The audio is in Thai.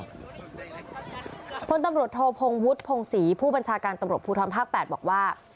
คนตำรวจโทษพงฤทธิ์พงศรีผู้บัญชาการตำรวจผู้ท้องภาคแปดบอกว่า